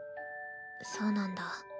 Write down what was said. そうなんだ。